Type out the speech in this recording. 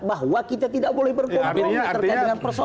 bahwa kita tidak boleh berkompromi